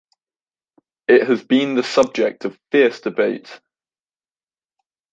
It has been the subject of fierce debates.